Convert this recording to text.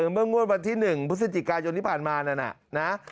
เมื่องวดวันที่๑พฤศจิกายนที่ผ่านมานะนะ